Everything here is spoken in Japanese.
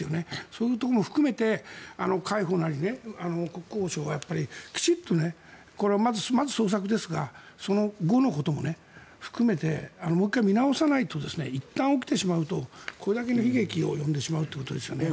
そういうところも含めて海保なり国交省がきちんと、まずは捜索ですがその後のことも含めてもう１回見直さないといったん起きてしまうとこれだけの悲劇を呼んでしまうということですよね。